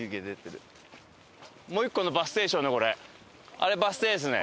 あれバス停ですね。